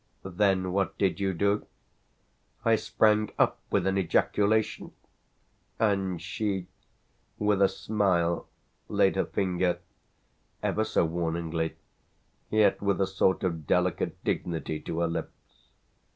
"Then what did you do?" "I sprang up with an ejaculation, and she, with a smile, laid her finger, ever so warningly, yet with a sort of delicate dignity, to her lips.